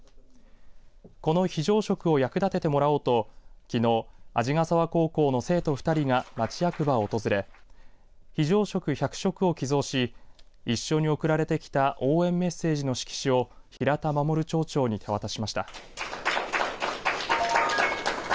この非常食を役立ててもらおうときのう、鰺ヶ沢高校の生徒２人が町役場を訪れ非常食１００食を寄贈し一緒に送られてきた応援メッセージの色紙を平田衛町長に手渡しました。